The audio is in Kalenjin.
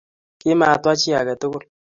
Kimatwaa chi age tugul